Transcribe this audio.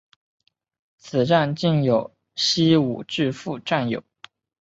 此站近西武秩父站有。